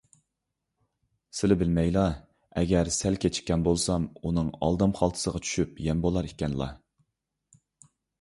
سىلى بىلمەيلا، ئەگەر سەل كېچىككەن بولسام، ئۇنىڭ ئالدام خالتىسىغا چۈشۈپ يەم بولار ئىكەنلا.